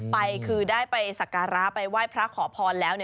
ไปคือได้ไปสักการะไปไหว้พระขอพรแล้ว